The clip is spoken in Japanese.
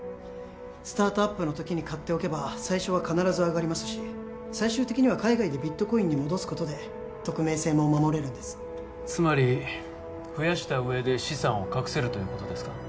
スタートアップの時に買っておけば最初は必ず上がりますし最終的には海外でビットコインに戻すことで匿名性も守れるんですつまり増やした上で資産を隠せるということですか？